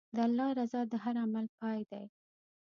د الله رضا د هر عمل پای دی.